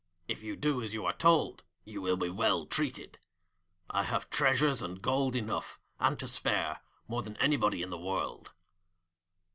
If you do as you are told, you will be well treated. I have treasures and gold enough and to spare, more than anybody in the world.'